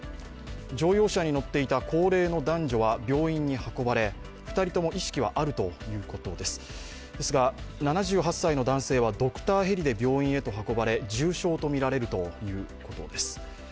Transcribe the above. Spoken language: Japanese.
乗用車に乗っていた高齢の男女は病院に運ばれ、２人とも意識はあるということですですが、７８歳の男性はドクターヘリで病院へと運ばれ重傷とみられるということです。